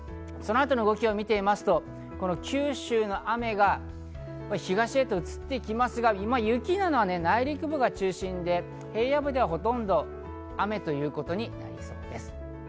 そのあとの動きを見てみますと、九州の雨が東へと移ってきますが、雪なのは内陸部が中心で平野部ではほとんど雨ということになりそうです。